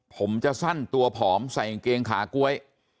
ผมจะสั้นตัวผอมใส่กางเกงขาก๊วย